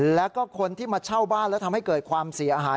แล้วก็คนที่มาเช่าบ้านแล้วทำให้เกิดความเสียหาย